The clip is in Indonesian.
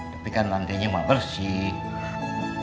tapi kan lantainya mah bersih